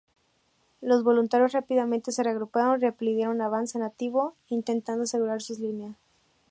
Los voluntarios rápidamente se reagruparon y repelieron el avance nativo intentando asegurar sus líneas.